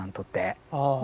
ああ。